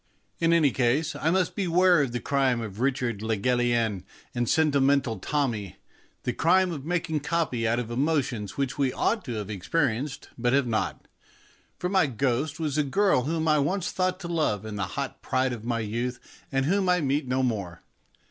In any case, I must beware of the crime of Richard le Gallienne and Sentimental Tommy, the crime of making copy out of emotions which we ought to have experienced but have not, for my ghost was a girl whom I once thought to love in the hot pride of my youth, and whom I meet no more.